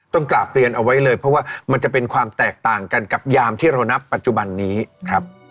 กราบเรียนเอาไว้เลยเพราะว่ามันจะเป็นความแตกต่างกันกับยามที่เรานับปัจจุบันนี้ครับ